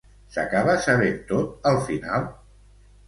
S'acaba sabent tot al final?